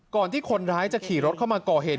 ที่คนร้ายจะขี่รถเข้ามาก่อเหตุ